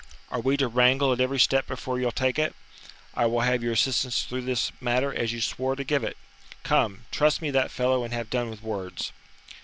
Are we to wrangle at every step before you'll take it? I will have your assistance through this matter as you swore to give it. Come, truss me that fellow, and have done with words."